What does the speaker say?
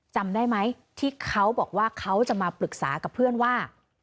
จำได้ไหมที่เขาบอกว่าเขาจะมาปรึกษากับเพื่อนว่า